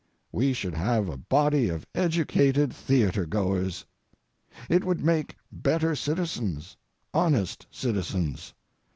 We should have a body of educated theatre goers. It would make better citizens, honest citizens.